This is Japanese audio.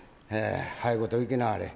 早いこと行きなはれ」。